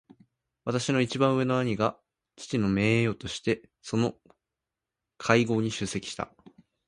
私の一番上の兄が父の名代としてその会合に出席した。